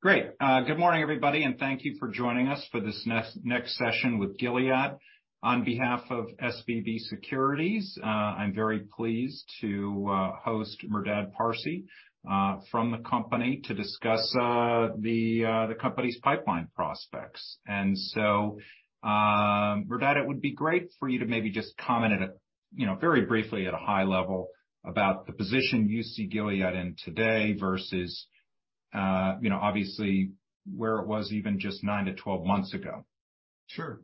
Great. Good morning, everybody, and thank you for joining us for this next session with Gilead. On behalf of SVB Securities, I'm very pleased to host Merdad Parsey from the company to discuss the company's pipeline prospects. Merdad, it would be great for you to maybe just comment at a, you know, very briefly at a high level about the position you see Gilead in today versus, you know, obviously where it was even just nine-12 months ago. Sure.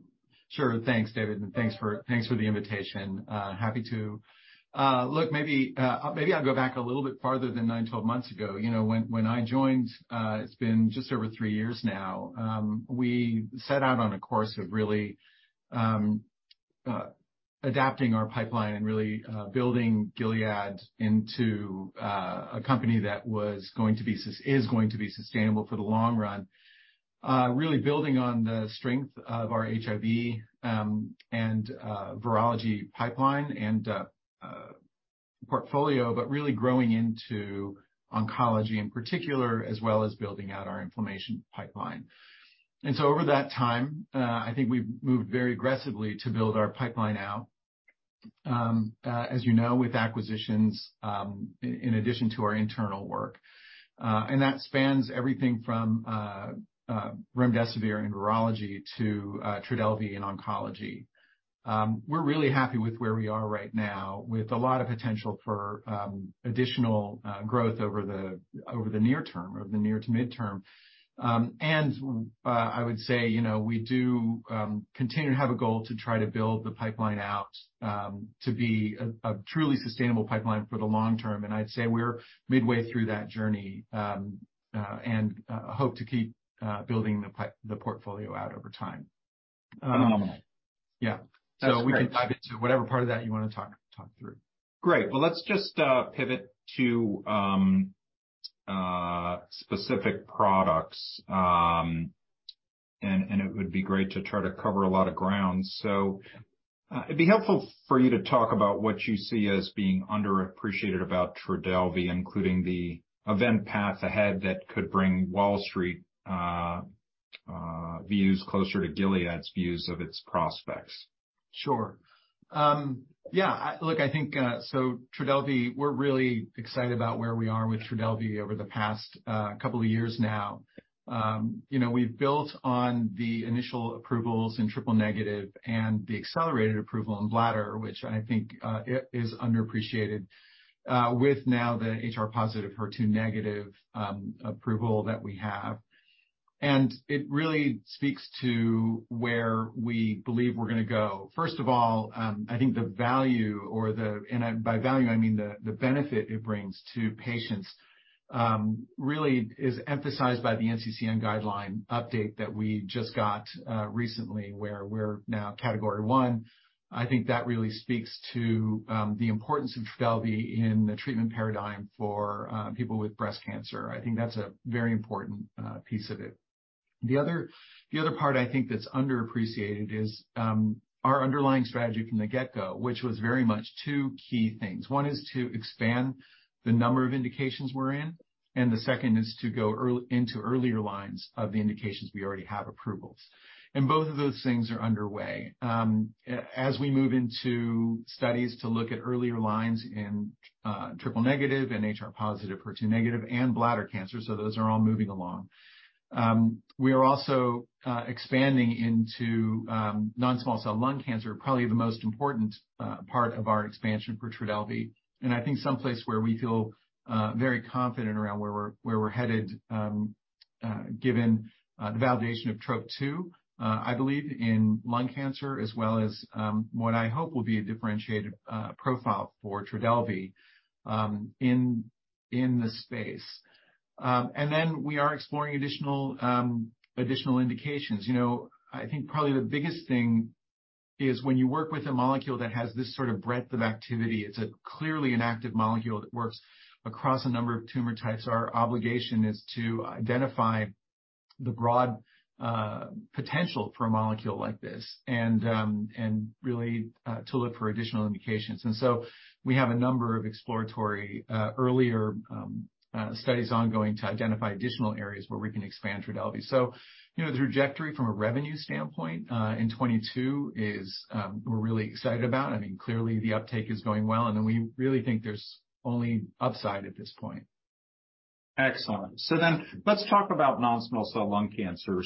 Sure. Thanks, David, and thanks for, thanks for the invitation. Happy to. Look, maybe I'll go back a little bit farther than nine-12 months ago. You know, when I joined, it's been just over three years now, we set out on a course of really adapting our pipeline and really building Gilead into a company that was going to be sustainable for the long run. Really building on the strength of our HIV and virology pipeline and portfolio, but really growing into oncology in particular, as well as building out our inflammation pipeline. Over that time, I think we've moved very aggressively to build our pipeline out. As you know, with acquisitions, in addition to our internal work. That spans everything from remdesivir in virology to TRODELVY in oncology. We're really happy with where we are right now, with a lot of potential for additional growth over the near term or the near to mid-term. I would say, you know, we do continue to have a goal to try to build the pipeline out to be a truly sustainable pipeline for the long term. I'd say we're midway through that journey, and hope to keep building the portfolio out over time. Yeah. That's great. We can dive into whatever part of that you wanna talk through. Great. Well, let's just pivot to specific products. It would be great to try to cover a lot of ground. It'd be helpful for you to talk about what you see as being underappreciated about TRODELVY, including the event path ahead that could bring Wall Street views closer to Gilead's views of its prospects. Sure. Look, I think TRODELVY, we're really excited about where we are with TRODELVY over the past couple of years now. you know, we've built on the initial approvals in triple-negative and the accelerated approval in bladder, which I think is underappreciated with now the HR+, HER2-negative approval that we have. It really speaks to where we believe we're gonna go. First of all, I think the value or by value, I mean the benefit it brings to patients really is emphasized by the NCCN guideline update that we just got recently, where we're now Category one. I think that really speaks to the importance of TRODELVY in the treatment paradigm for people with breast cancer. I think that's a very important piece of it. The other part I think that's underappreciated is our underlying strategy from the get-go, which was very much two key things. One is to expand the number of indications we're in, and the second is to go into earlier lines of the indications we already have approvals. Both of those things are underway. As we move into studies to look at earlier lines in triple-negative and HR+, HER2-negative and bladder cancer, those are all moving along. We are also expanding into non-small cell lung cancer, probably the most important part of our expansion for TRODELVY. I think someplace where we feel very confident around where we're headed, given the validation of Trop-2, I believe in lung cancer as well as what I hope will be a differentiated profile for TRODELVY in this space. Then we are exploring additional indications. You know, I think probably the biggest thing is when you work with a molecule that has this sort of breadth of activity, it's clearly an active molecule that works across a number of tumor types. Our obligation is to identify the broad potential for a molecule like this and really to look for additional indications. So we have a number of exploratory earlier studies ongoing to identify additional areas where we can expand TRODELVY. You know, the trajectory from a revenue standpoint in 2022 is, we're really excited about. I mean, clearly the uptake is going well, we really think there's only upside at this point. Excellent. Let's talk about non-small cell lung cancer.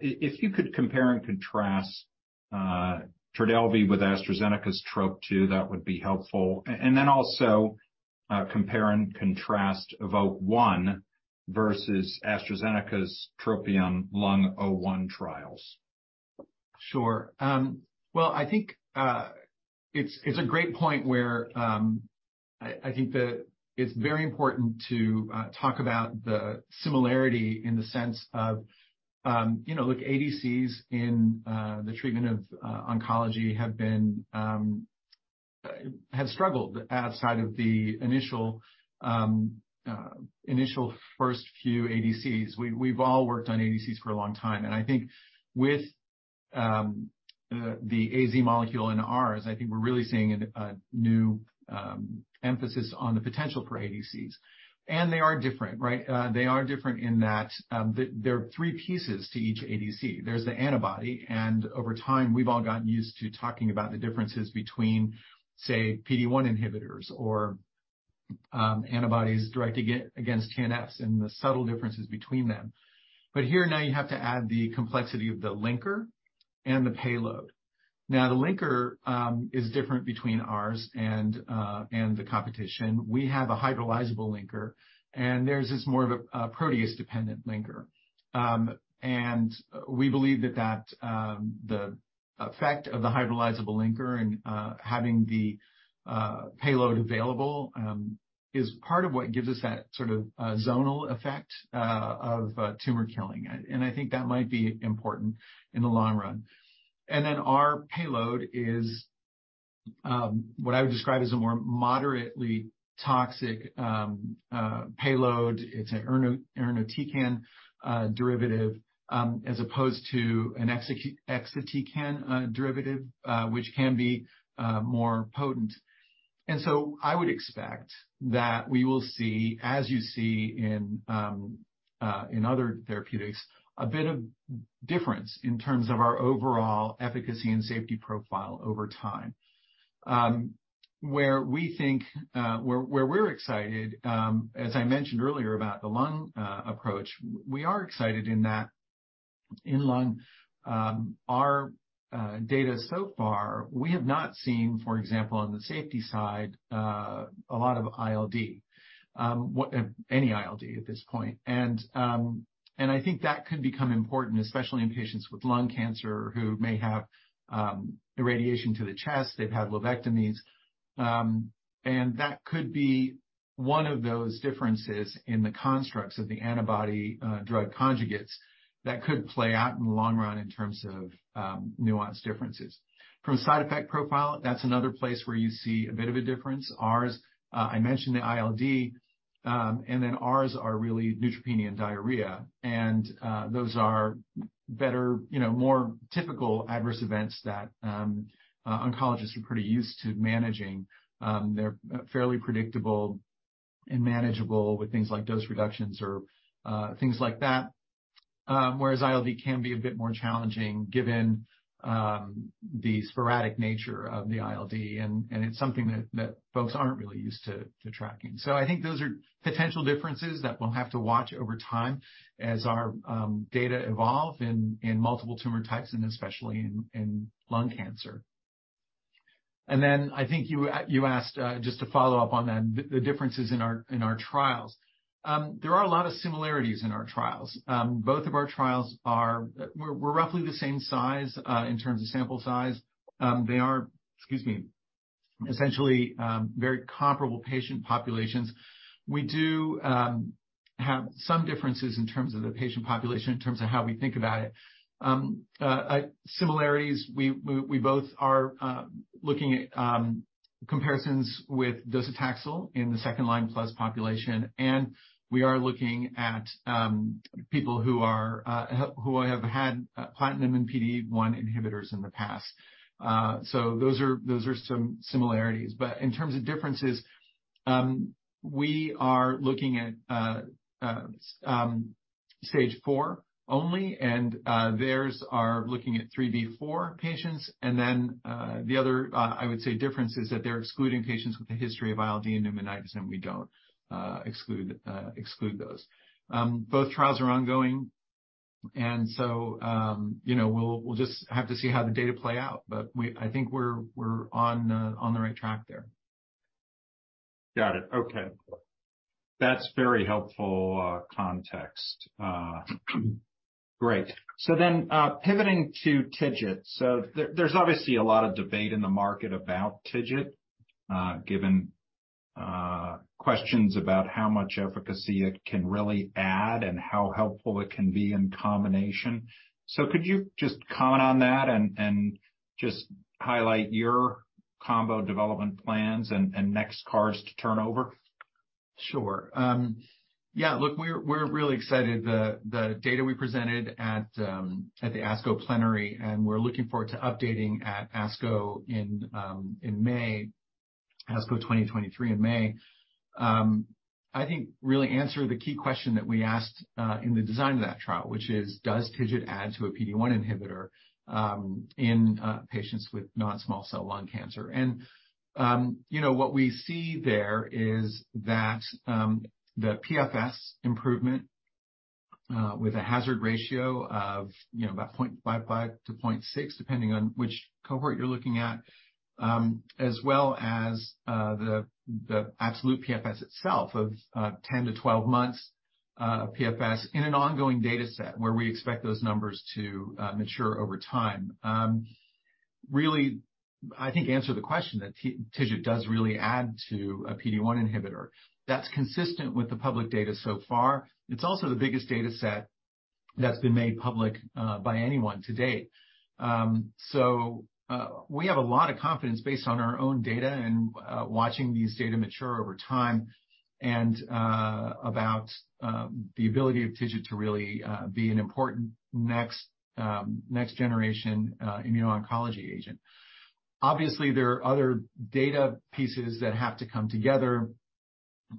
If you could compare and contrast TRODELVY with AstraZeneca's Trop-2, that would be helpful. Also, compare and contrast EVOKE-01 versus AstraZeneca's TROPION-Lung01 trials. Sure. Well, I think it's a great point where, I think it's very important to talk about the similarity in the sense of, you know, look, ADCs in the treatment of oncology have struggled outside of the initial first few ADCs. We've all worked on ADCs for a long time, I think the AZ molecule and ours, I think we're really seeing a new emphasis on the potential for ADCs. They are different, right? They are different in that there are three pieces to each ADC. There's the antibody, over time, we've all gotten used to talking about the differences between, say, PD1 inhibitors or antibodies directed against TNFs and the subtle differences between them. Here now you have to add the complexity of the linker and the payload. The linker is different between ours and the competition. We have a hydrolyzable linker, and theirs is more of a protease-dependent linker. We believe that the effect of the hydrolyzable linker and having the payload available is part of what gives us that sort of zonal effect of tumor killing. I think that might be important in the long run. Our payload is what I would describe as a more moderately toxic payload. It's an irinotecan derivative as opposed to an exatecan derivative which can be more potent. I would expect that we will see as you see in other therapeutics, a bit of difference in terms of our overall efficacy and safety profile over time. Where we think, where we're excited, as I mentioned earlier about the lung approach, we are excited in that in lung, our data so far, we have not seen, for example, on the safety side, a lot of ILD, any ILD at this point. I think that could become important, especially in patients with lung cancer who may have irradiation to the chest. They've had lobectomies. That could be one of those differences in the constructs of the antibody-drug conjugates that could play out in the long run in terms of nuanced differences. From a side effect profile, that's another place where you see a bit of a difference. Ours, I mentioned the ILD, and then ours are really neutropenia and diarrhea. Those are better, you know, more typical adverse events that oncologists are pretty used to managing. They're fairly predictable and manageable with things like dose reductions or things like that. Whereas ILD can be a bit more challenging given the sporadic nature of the ILD, and it's something that folks aren't really used to tracking. I think those are potential differences that we'll have to watch over time as our data evolve in multiple tumor types and especially in lung cancer. I think you asked just to follow up on that, the differences in our trials. There are a lot of similarities in our trials. Both of our trials We're roughly the same size in terms of sample size. They are, excuse me, essentially, very comparable patient populations. We do have some differences in terms of the patient population, in terms of how we think about it. Similarities, we both are looking at comparisons with docetaxel in the second line plus population, and we are looking at people who have had platinum and PD-1 inhibitors in the past. Those are some similarities. In terms of differences, we are looking at stage four only, and theirs are looking at 3L/4L patients. The other I would say difference is that they're excluding patients with a history of ILD and pneumonitis, and we don't exclude those. Both trials are ongoing. You know, we'll just have to see how the data play out. I think we're on the right track there. Got it. Okay. That's very helpful context. Great. Pivoting to TIGIT. There's obviously a lot of debate in the market about TIGIT, given questions about how much efficacy it can really add and how helpful it can be in combination. Could you just comment on that and just highlight your combo development plans and next cards to turn over? Sure. Yeah, look, we're really excited. The data we presented at the ASCO plenary, and we're looking forward to updating at ASCO in May, ASCO 2023 in May, I think really answer the key question that we asked in the design of that trial, which is does TIGIT add to a PD-1 inhibitor in patients with non-small cell lung cancer? You know, what we see there is that, you know, the PFS improvement with a hazard ratio of 0.55-0.6, depending on which cohort you're looking at, as well as the absolute PFS itself of 10-12 months PFS in an ongoing data set where we expect those numbers to mature over time, really, I think answer the question that TIGIT does really add to a PD-1 inhibitor. That's consistent with the public data so far. It's also the biggest data set that's been made public by anyone to date. We have a lot of confidence based on our own data and watching these data mature over time and about the ability of TIGIT to really be an important next next generation immuno-oncology agent. Obviously, there are other data pieces that have to come together.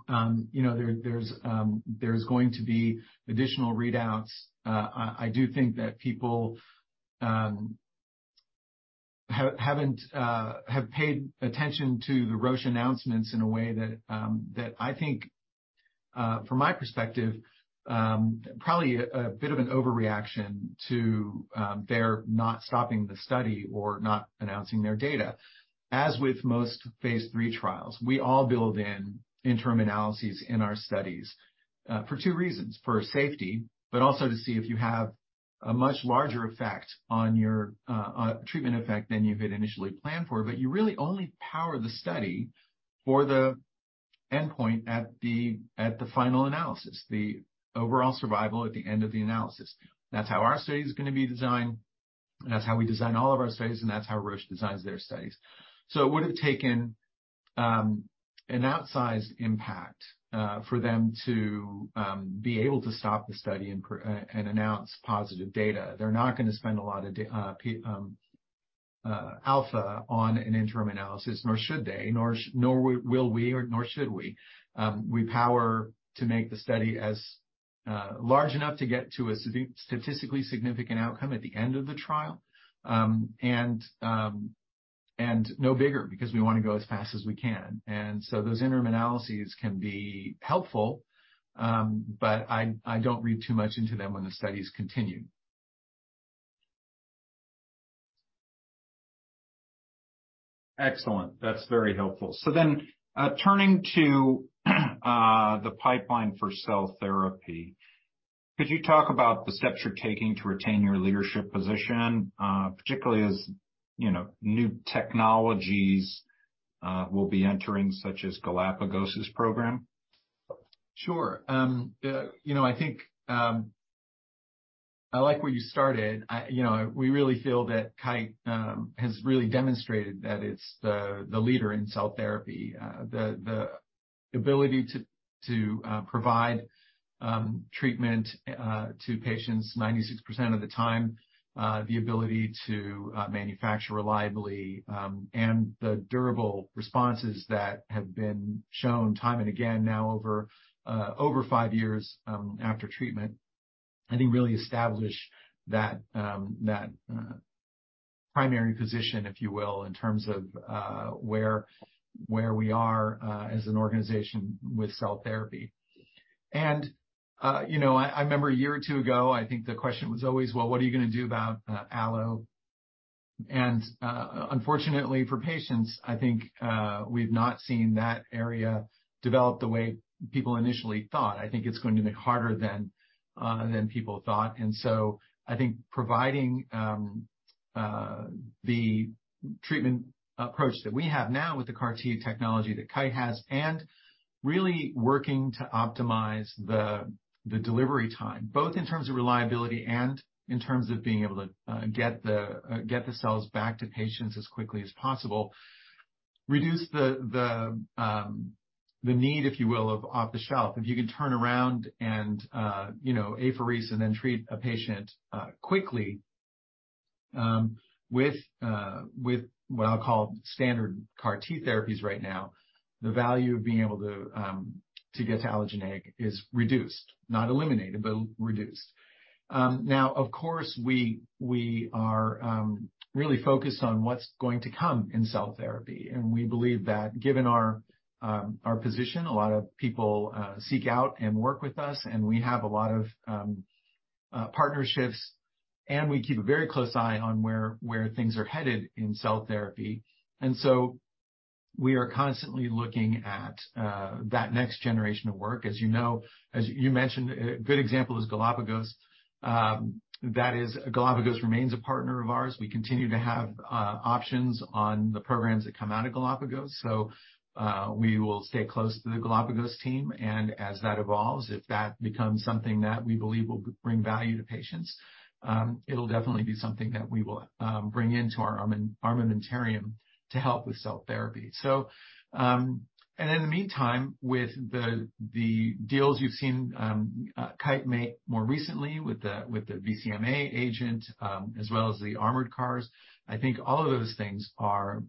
You know, there's going to be additional readouts. I do think that people have paid attention to the Roche announcements in a way that I think, from my perspective, probably a bit of an overreaction to their not stopping the study or not announcing their data. As with most phase III trials, we all build in interim analyses in our studies for two reasons. For safety, but also to see if you have a much larger effect on your treatment effect than you had initially planned for. You really only power the study for the endpoint at the final analysis, the overall survival at the end of the analysis. That's how our study is gonna be designed, and that's how we design all of our studies, and that's how Roche designs their studies. It would have taken an outsized impact for them to be able to stop the study and announce positive data. They're not gonna spend a lot of alpha on an interim analysis, nor should they, nor will we, nor should we. We power to make the study as large enough to get to a statistically significant outcome at the end of the trial, and no bigger because we wanna go as fast as we can. Those interim analyses can be helpful, but I don't read too much into them when the studies continue. Excellent. That's very helpful. Turning to the pipeline for cell therapy, could you talk about the steps you're taking to retain your leadership position, particularly as, you know, new technologies will be entering, such as Galapagos's program? Sure. You know, I think, I like where you started. You know, we really feel that Kite has really demonstrated that it's the leader in cell therapy. The ability to provide treatment to patients 96% of the time, the ability to manufacture reliably, and the durable responses that have been shown time and again now over five years after treatment, I think really establish that primary position if you will, in terms of where we are as an organization with cell therapy. You know, I remember a year or two ago, I think the question was always, "Well, what are you gonna do about Allo?" Unfortunately for patients, I think, we've not seen that area develop the way people initially thought. I think it's going to be harder than people thought. I think providing the treatment approach that we have now with the CAR T technology that Kite has, and really working to optimize the delivery time, both in terms of reliability and in terms of being able to get the cells back to patients as quickly as possible, reduce the need if you will, of off the shelf. If you can turn around and, you know, apheresis and then treat a patient quickly, with what I'll call standard CAR T therapies right now, the value of being able to get to allogeneic is reduced, not eliminated, but reduced. Now, of course, we are really focused on what's going to come in cell therapy, and we believe that given our position, a lot of people seek out and work with us, and we have a lot of partnerships, and we keep a very close eye on where things are headed in cell therapy. We are constantly looking at that next generation of work. As you know, as you mentioned, a good example is Galapagos. Galapagos remains a partner of ours. We continue to have options on the programs that come out of Galapagos. We will stay close to the Galapagos team, and as that evolves, if that becomes something that we believe will bring value to patients, it'll definitely be something that we will bring into our armamentarium to help with cell therapy. In the meantime, with the deals you've seen Kite make more recently with the BCMA agent, as well as the armored CARs, I think all of those things are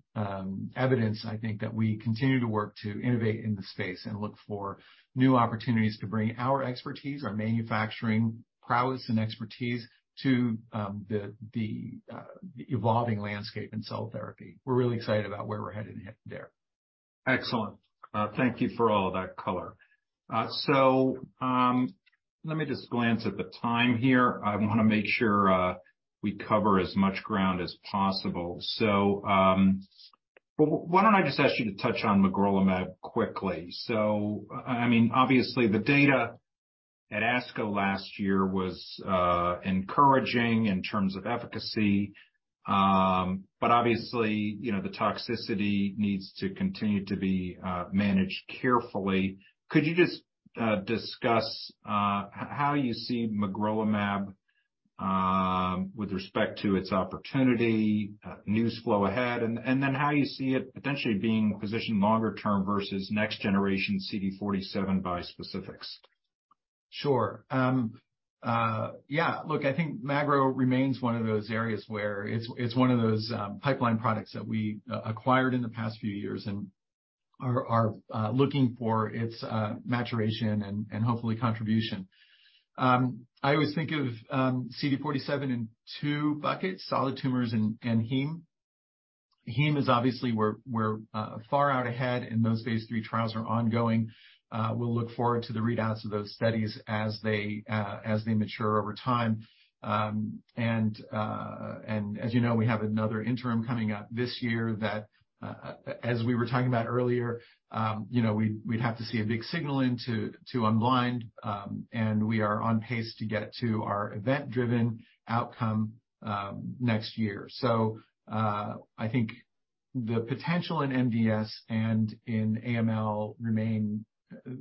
evidence, I think that we continue to work to innovate in the space and look for new opportunities to bring our expertise, our manufacturing prowess and expertise to the evolving landscape in cell therapy. We're really excited about where we're headed there. Excellent. Thank you for all of that color. Let me just glance at the time here. I wanna make sure we cover as much ground as possible. Why don't I just ask you to touch on magrolimab quickly? I mean, obviously the data at ASCO last year was encouraging in terms of efficacy, obviously, you know, the toxicity needs to continue to be managed carefully. Could you just discuss how you see magrolimab with respect to its opportunity, news flow ahead, and then how you see it potentially being positioned longer term versus next generation CD47 bispecifics? Sure. Yeah, look, I think magro remains one of those areas where it's one of those pipeline products that we acquired in the past few years and are looking for its maturation and hopefully contribution. I always think of CD47 in two buckets, solid tumors and Heme. Heme is obviously we're far out ahead, those phase III trials are ongoing. We'll look forward to the readouts of those studies as they mature over time. As you know, we have another interim coming up this year that, as we were talking about earlier, you know, we'd have to see a big signal into to unblind, we are on pace to get to our event-driven outcome next year. I think the potential in MDS and in AML remain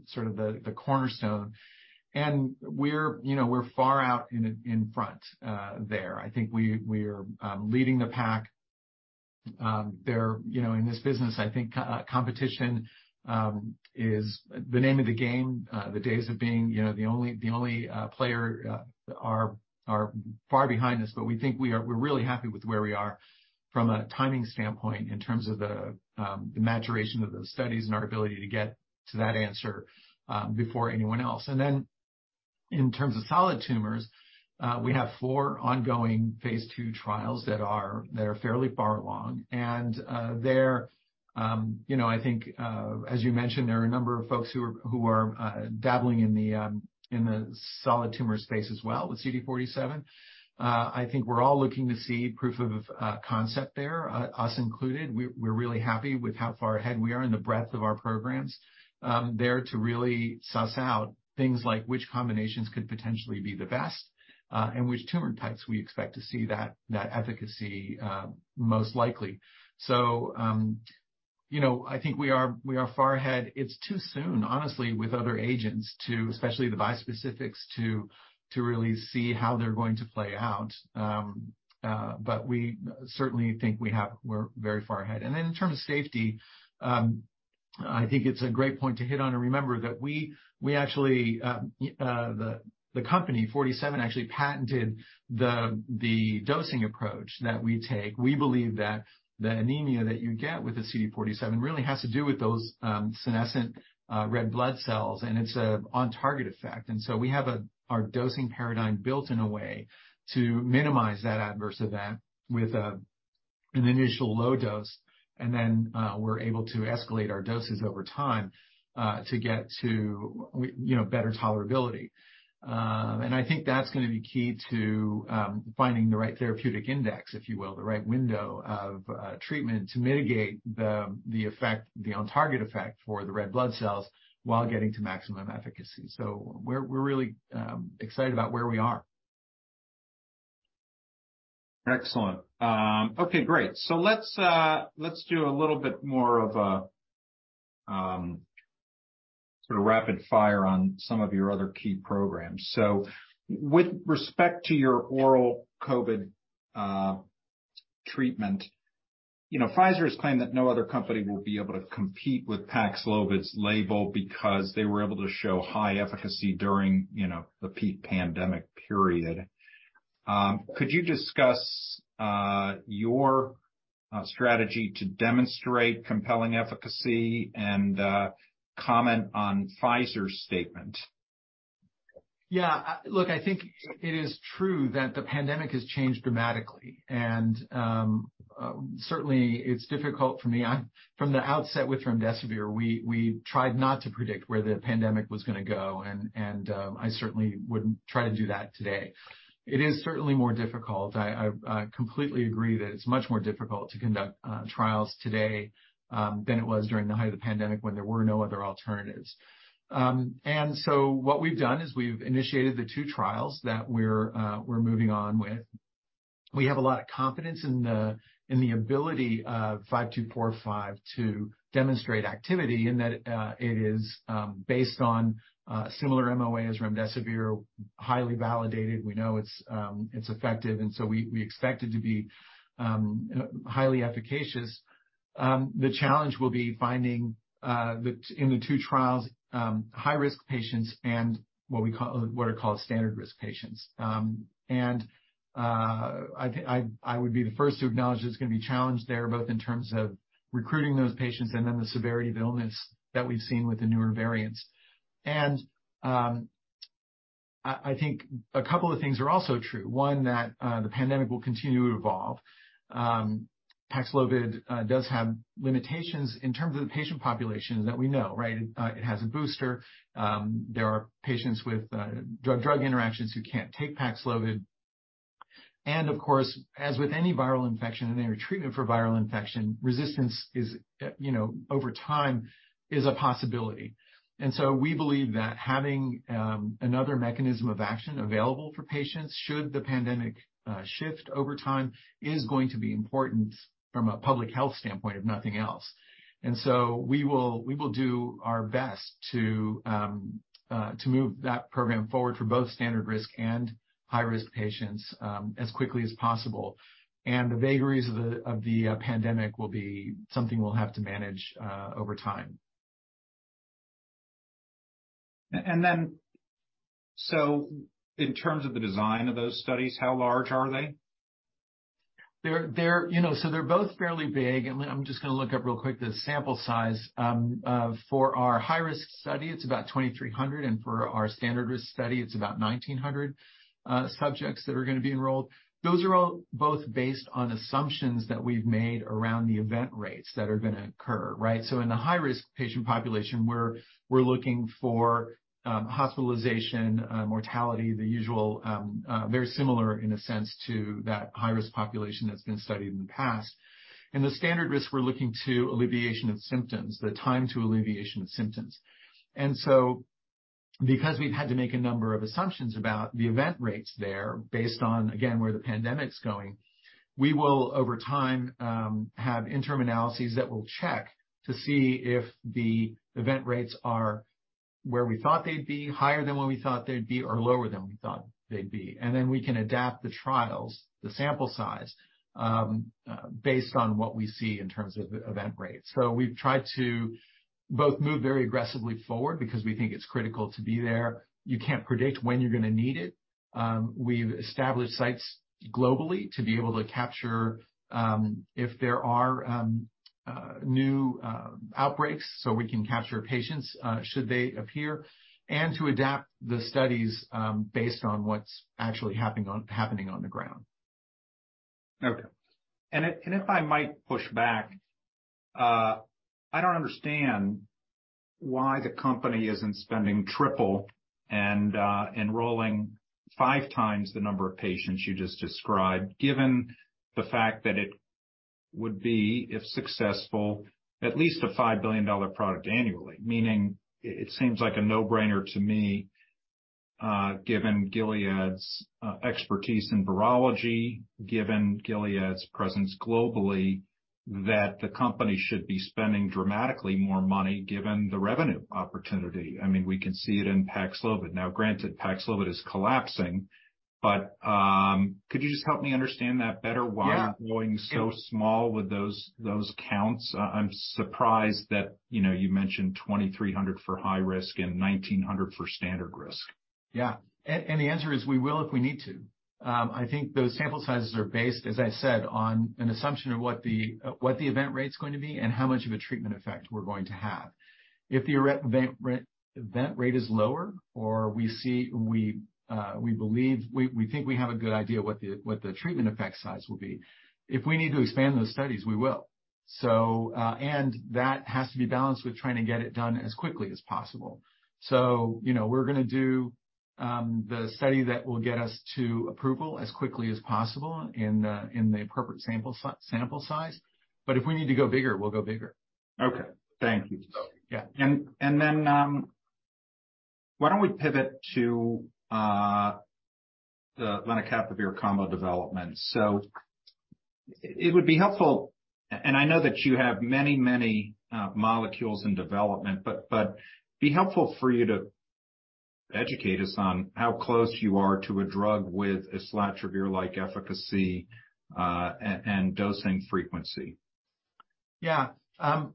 sort of the cornerstone. We're, you know, we're far out in front there. I think we are leading the pack. You know, in this business, I think co-competition is the name of the game. The days of being, you know, the only player are far behind us. We're really happy with where we are from a timing standpoint in terms of the maturation of those studies and our ability to get to that answer before anyone else. In terms of solid tumors, we have four ongoing phase II trials that are fairly far along. They're, you know, I think, as you mentioned, there are a number of folks who are dabbling in the in the solid tumor space as well with CD47. I think we're all looking to see proof of concept there, us included. We're really happy with how far ahead we are in the breadth of our programs, there to really suss out things like which combinations could potentially be the best, and which tumor types we expect to see that efficacy most likely. You know, I think we are far ahead. It's too soon, honestly, with other agents, especially the bispecifics to really see how they're going to play out. We certainly think we're very far ahead. Then in terms of safety, I think it's a great point to hit on and remember that we actually, the company 47 actually patented the dosing approach that we take. We believe that the anemia that you get with the CD47 really has to do with those senescent red blood cells, and it's a on target effect. So we have our dosing paradigm built in a way to minimize that adverse event with an initial low dose, and then we're able to escalate our doses over time to get to, you know, better tolerability. I think that's gonna be key to finding the right therapeutic index, if you will, the right window of treatment to mitigate the effect, the on target effect for the red blood cells while getting to maximum efficacy. We're really excited about where we are. Excellent. Okay, great. Let's do a little bit more of a, sort of rapid fire on some of your other key programs. With respect to your oral COVID, treatment, you know, Pfizer's claimed that no other company will be able to compete with PAXLOVID's label because they were able to show high efficacy during, you know, the peak pandemic period. Could you discuss, your strategy to demonstrate compelling efficacy and comment on Pfizer's statement? Yeah. Look, I think it is true that the pandemic has changed dramatically. Certainly it's difficult for me. From the outset with remdesivir, we tried not to predict where the pandemic was gonna go, and I certainly wouldn't try to do that today. It is certainly more difficult. I completely agree that it's much more difficult to conduct trials today than it was during the height of the pandemic when there were no other alternatives. What we've done is we've initiated the two trials that we're moving on with. We have a lot of confidence in the ability of 5245 to demonstrate activity in that, it is based on similar MOA as remdesivir, highly validated. We know it's effective, and so we expect it to be highly efficacious. The challenge will be finding in the two trials, high-risk patients and what are called standard risk patients. I would be the first to acknowledge there's gonna be a challenge there, both in terms of recruiting those patients and then the severity of illness that we've seen with the newer variants. I think a couple of things are also true. One, that the pandemic will continue to evolve. PAXLOVID does have limitations in terms of the patient population that we know, right? It has a booster. There are patients with drug-drug interactions who can't take PAXLOVID. Of course, as with any viral infection and any treatment for viral infection, resistance is, you know, over time is a possibility. We believe that having another mechanism of action available for patients should the pandemic shift over time, is going to be important from a public health standpoint, if nothing else. We will do our best to move that program forward for both standard risk and high-risk patients, as quickly as possible. The vagaries of the pandemic will be something we'll have to manage over time. In terms of the design of those studies, how large are they? They're, you know, both fairly big. I'm just gonna look up real quick the sample size. For our high-risk study, it's about 2,300, and for our standard risk study, it's about 1,900 subjects that are gonna be enrolled. Those are all both based on assumptions that we've made around the event rates that are gonna occur, right? In the high-risk patient population, we're looking for hospitalization, mortality, the usual, very similar in a sense to that high-risk population that's been studied in the past. In the standard risk, we're looking to alleviation of symptoms, the time to alleviation of symptoms. Because we've had to make a number of assumptions about the event rates there based on, again, where the pandemic's going, we will, over time, have interim analyses that will check to see if the event rates are where we thought they'd be, higher than what we thought they'd be, or lower than we thought they'd be. We can adapt the trials, the sample size, based on what we see in terms of event rates. We've tried to both move very aggressively forward because we think it's critical to be there. You can't predict when you're gonna need it. We've established sites globally to be able to capture, if there are new outbreaks, so we can capture patients, should they appear, and to adapt the studies, based on what's actually happening on the ground. Okay. If, and if I might push back, I don't understand why the company isn't spending triple and enrolling 5x the number of patients you just described, given the fact that it would be, if successful, at least a $5 billion product annually. Meaning it seems like a no-brainer to me, given Gilead's expertise in virology, given Gilead's presence globally, that the company should be spending dramatically more money given the revenue opportunity. I mean, we can see it in PAXLOVID. Now, granted, PAXLOVID is collapsing, but could you just help me understand that better? Yeah. Why we're going so small with those counts? I'm surprised that, you know, you mentioned 2,300 for high risk and 1,900 for standard risk. Yeah. The answer is we will if we need to. I think those sample sizes are based, as I said, on an assumption of what the, what the event rate's going to be and how much of a treatment effect we're going to have. If the event rate is lower or we think we have a good idea what the, what the treatment effect size will be, if we need to expand those studies, we will. That has to be balanced with trying to get it done as quickly as possible. You know, we're gonna do the study that will get us to approval as quickly as possible in the appropriate sample size. If we need to go bigger, we'll go bigger. Okay. Thank you. Yeah. Why don't we pivot to the lenacapavir combo development. It would be helpful, and I know that you have many, many molecules in development, but it'd be helpful for you to educate us on how close you are to a drug with islatravir-like efficacy, and dosing frequency. Yeah.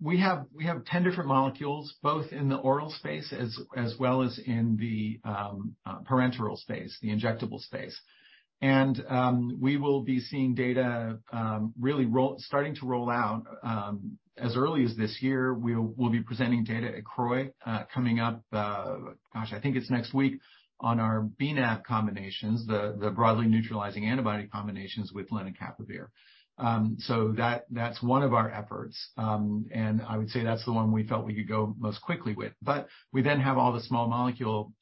We have 10 different molecules, both in the oral space as well as in the parenteral space, the injectable space. We will be seeing data starting to roll out as early as this year. We'll be presenting data at CROI coming up, gosh, I think it's next week, on our bNAb combinations, the broadly neutralizing antibody combinations with lenacapavir. That's one of our efforts. I would say that's the one we felt we could go most quickly with. We then have all the small molecule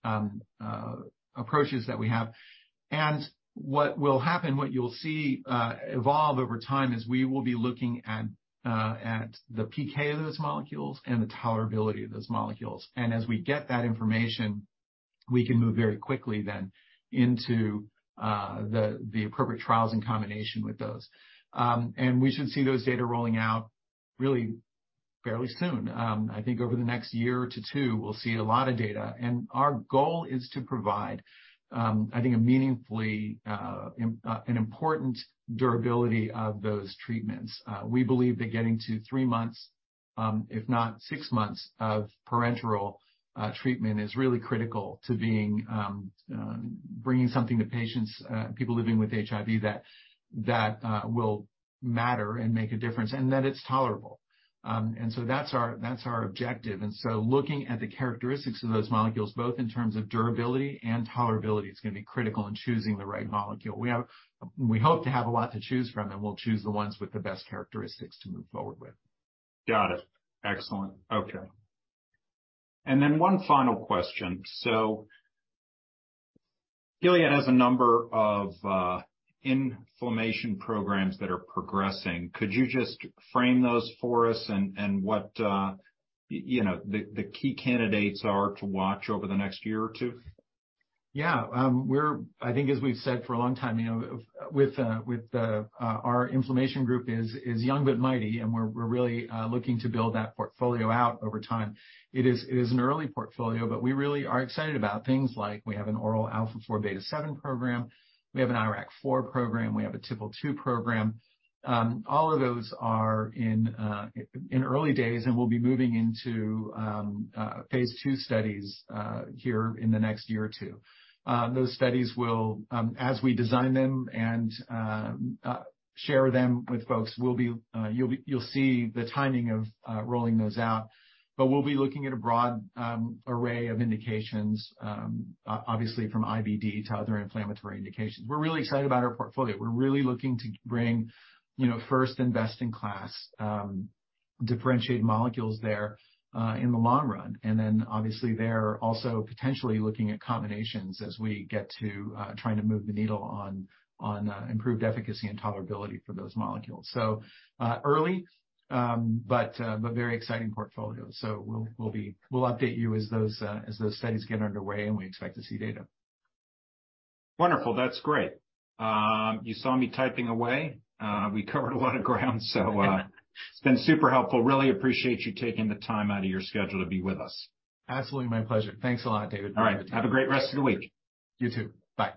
approaches that we have. What will happen, what you'll see evolve over time, is we will be looking at the PK of those molecules and the tolerability of those molecules. As we get that information, we can move very quickly then into the appropriate trials in combination with those. We should see those data rolling out really fairly soon. I think over the next year to two, we'll see a lot of data. Our goal is to provide, I think, a meaningfully an important durability of those treatments. We believe that getting to three months, if not six months of parenteral treatment is really critical to being bringing something to patients, people living with HIV that will matter and make a difference, and that it's tolerable. That's our objective. Looking at the characteristics of those molecules, both in terms of durability and tolerability, is gonna be critical in choosing the right molecule. We hope to have a lot to choose from. We'll choose the ones with the best characteristics to move forward with. Got it. Excellent. Okay. One final question. Gilead has a number of inflammation programs that are progressing. Could you just frame those for us and what, you know, the key candidates are to watch over the next year or two? Yeah. I think as we've said for a long time, you know, with our inflammation group is young but mighty, and we're really looking to build that portfolio out over time. It is an early portfolio, but we really are excited about things like we have an oral α4β7 program. We have an IRAK4 program. We have a TYK2 program. All of those are in early days and will be moving into phase II studies here in the next year or two. Those studies will, as we design them and share them with folks, we'll be you'll see the timing of rolling those out. We'll be looking at a broad array of indications, obviously from IBD to other inflammatory indications. We're really excited about our portfolio. We're really looking to bring, you know, first and best in class, differentiate molecules there, in the long run. Obviously they're also potentially looking at combinations as we get to trying to move the needle on improved efficacy and tolerability for those molecules. Early, but very exciting portfolio. We'll update you as those studies get underway and we expect to see data. Wonderful. That's great. You saw me typing away. We covered a lot of ground. Yeah. It's been super helpful. Really appreciate you taking the time out of your schedule to be with us. Absolutely. My pleasure. Thanks a lot, David. All right. Have a great rest of the week. You too. Bye.